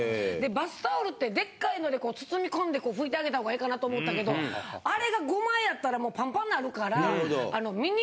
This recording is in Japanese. バスタオルってでっかいので包み込んでこう拭いてあげた方がええかなと思ったけどあれが５枚あったらもうパンパンなるからあの。